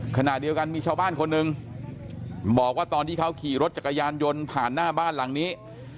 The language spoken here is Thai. ขณะเดียวกันมีชาวบ้านคนหนึ่งบอกว่าตอนที่เขาขี่รถจักรยานยนต์ผ่านหน้าบ้านหลังนี้